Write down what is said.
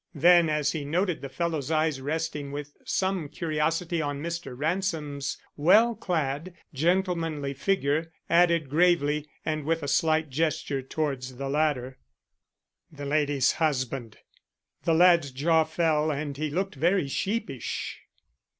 Then, as he noted the fellow's eyes resting with some curiosity on Mr. Ransom's well clad, gentlemanly figure, added gravely, and with a slight gesture towards the latter: "The lady's husband." The lad's jaw fell and he looked very sheepish.